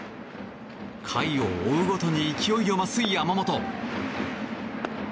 回を追うごとに勢いを増す山本。